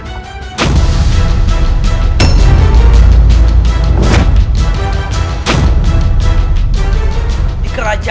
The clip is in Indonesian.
tak ada kepercayaan